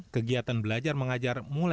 kegiatan belajar mengajar mulai